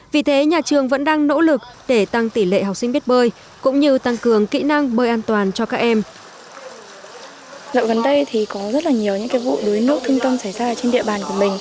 vì thế nhà trường vẫn đang nỗ lực để tăng tỷ lệ học sinh biết bơi cũng như tăng cường kỹ năng bơi an toàn cho các em